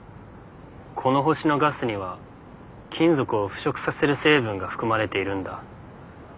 この星のガスには金属を腐食させる成分が含まれているんだ。